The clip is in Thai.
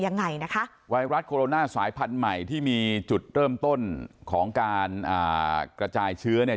ยังไงนะคะไวรัสโคโรนาสายพันธุ์ใหม่ที่มีจุดเริ่มต้นของการอ่ากระจายเชื้อเนี่ย